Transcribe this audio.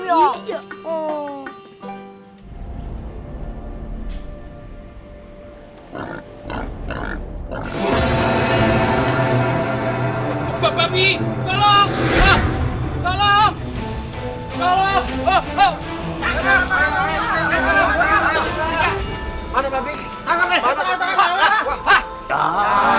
darit kita akan lapar ya dam